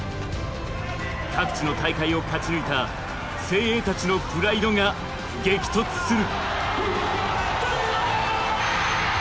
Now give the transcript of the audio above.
各地の大会を勝ち抜いた精鋭たちのプライドが激突する。